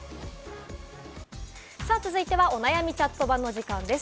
続いては、お悩みチャットバの時間です。